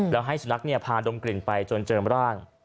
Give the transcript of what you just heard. แล้วให้สุนัขพาดมกลิ่นไปจนเจิมร่าง